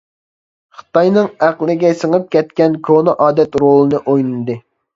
خىتاينىڭ ئەقلىگە سىڭىپ كەتكەن كونا ئادەت رولىنى ئوينىدى.